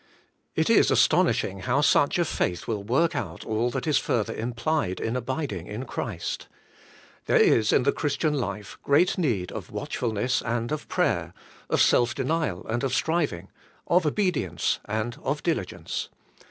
It is astonishing how such a faith will work out all that is further implied in abiding in Christ. There is in the Christian life great need of watchfulness and of prayer, of self denial and of striving, of obedience and of diligence.